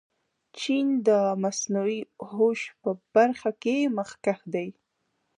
چین د مصنوعي هوش په برخه کې مخکښ دی.